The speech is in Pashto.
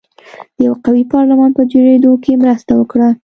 د یوه قوي پارلمان په جوړېدو کې مرسته وکړه.